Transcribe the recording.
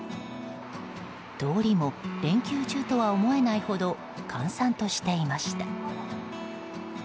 通りも連休中とは思えないほど閑散としていました。